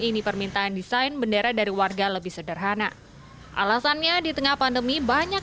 ini permintaan desain bendera dari warga lebih sederhana alasannya di tengah pandemi banyak